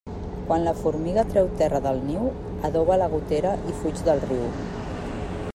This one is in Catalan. Quan la formiga treu terra del niu, adoba la gotera i fuig del riu.